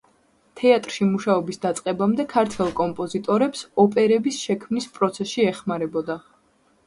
თეატრში მუშაობის დაწყებამდე ქართველ კომპოზიტორებს ოპერების შექმნის პროცესში ეხმარებოდა.